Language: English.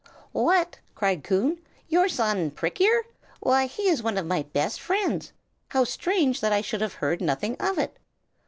"What?" cried Coon. "Your son Prick ear? Why, he is one of my best friends! How strange that I should have heard nothing of it!"